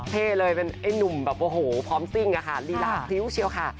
เท่เลยเป็นไอ้หนุ่มแบบโอ้โหพร้อมซิ่งอะค่ะลีลาพริ้วเชียวค่ะ